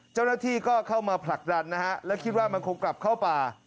เจ้าหน้าที่ก็เข้ามาผลักดันนะฮะแล้วคิดว่ามันคงกลับเข้าป่า